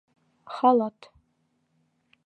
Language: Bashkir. Халат.